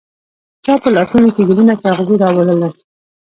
چا په لاسونوکې ګلونه، چااغزي راوړله